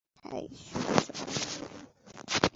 হেই শুভ জন্মদিন!